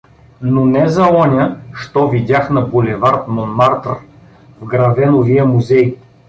Но не за оня, що видях на булевард Монмартр в Гревеновия музей!